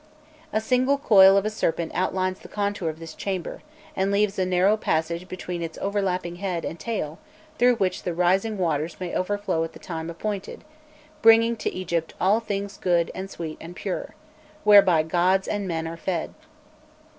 A single coil of a serpent outlines the contour of this chamber, and leaves a narrow passage between its overlapping head and tail through which the rising waters may overflow at the time appointed, bringing to Egypt "all things good, and sweet, and pure," whereby gods and men are fed.